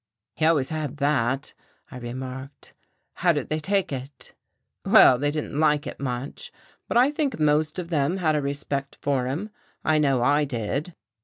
"He always had that," I remarked. "How did they take it?" "Well, they didn't like it much, but I think most of them had a respect for him. I know I did.